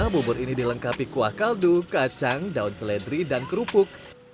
bubur ini dilengkapi kuah kaldu kacang daun seledri dan kerupuk